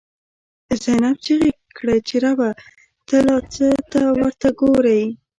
«زینب» چیغی کړی چه ربه، ته لا څه ته ورته گوری